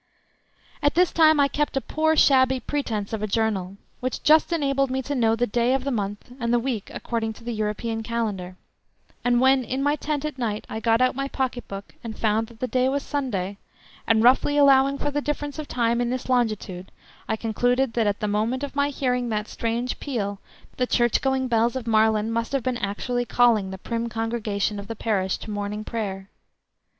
At this time I kept a poor shabby pretence of a journal, which just enabled me to know the day of the month and the week according to the European calendar, and when in my tent at night I got out my pocket book I found that the day was Sunday, and roughly allowing for the difference of time in this longitude, I concluded that at the moment of my hearing that strange peal the church going bells of Marlen must have been actually calling the prim congregation of the parish to morning prayer.